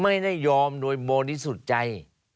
ไม่ได้ยอมโดยบริสุทธิ์ใจ